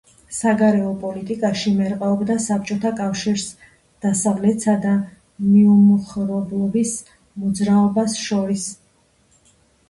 საგარეო პოლიტიკაში მერყეობდა საბჭოთა კავშირს, დასავლეთსა და მიუმხრობლობის მოძრაობას შორის.